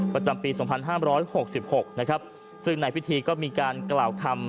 ประจำปีสองพันห้ามร้อยหกสิบหกนะครับซึ่งในพิธีก็มีการกล่าวคำ